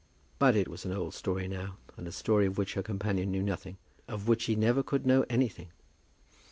But it was an old story now, and a story of which her companion knew nothing, of which he never could know anything.